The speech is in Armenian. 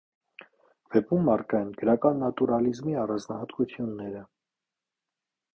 Վեպում առկա են գրական նատուրալիզմի առանձնահատկությունները։